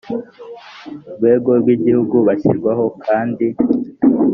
rwego rw igihugu bagashyirwaho kandi